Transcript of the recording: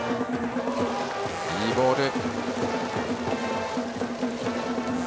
いいボール。